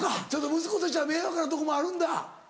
息子としては迷惑なとこもあるんだ。